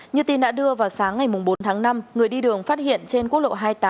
như tin đã đưa vào sáng ngày bốn tháng năm người đi đường phát hiện trên quốc lộ hai mươi tám